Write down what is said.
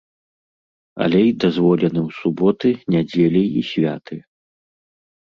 Алей дазволены ў суботы, нядзелі і святы.